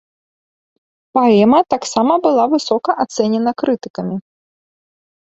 Паэма таксама была высока ацэнена крытыкамі.